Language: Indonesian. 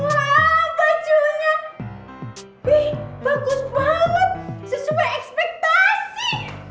wow bajunya eh bagus banget sesuai ekspektasi